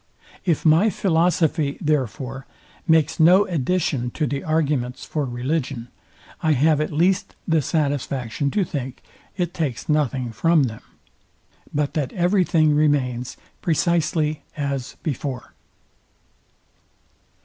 If my philosophy, therefore, makes no addition to the arguments for religion, I have at least the satisfaction to think it takes nothing from them, but that every thing remains precisely as before.